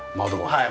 はい。